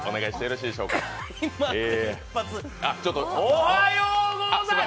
おはようございます！